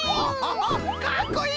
かっこいい！